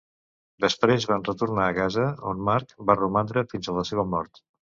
Després van retornar a Gaza on Marc va romandre fins a la seva mort.